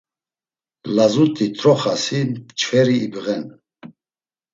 Lazut̆i t̆roxasi mçveri ibğen.